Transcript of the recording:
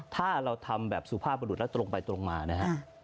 ถ้าเราทำแบบสุภาพบรุณะตรงไปตรงมานะฮะอ่า